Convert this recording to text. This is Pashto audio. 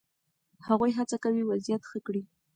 هغوی هڅه کوي وضعیت ښه کړي.